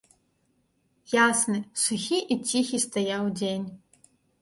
Ясны, сухі і ціхі стаяў дзень.